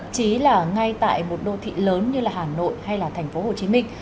chí là ngay tại một đô thị lớn như là hà nội hay là thành phố hồ chí minh